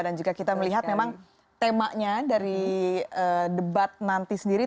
dan juga kita melihat memang temanya dari debat nanti sendiri